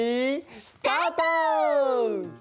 スタート！